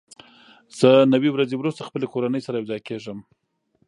زه نوي ورځې وروسته خپلې کورنۍ سره یوځای کېږم.